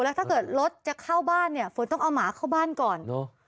แล้วถ้าเกิดรถจะเข้าบ้านเนี่ยฝนต้องเอาหมาเข้าบ้านก่อนเนอะ